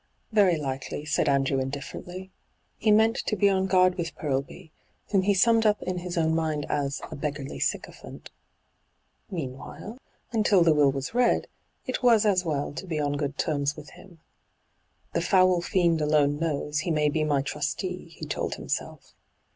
'' Very likely/ said Andrew indifferently. He meant to be on guard with Purlby, whom he summed up in his own mind as * a beggarly sycophant.' Meanwhile, until the will was read, it was as well to be on good terms with him. ' The foul fiend alone knows, he may be my trustee,* he told himself.